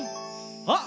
あっ！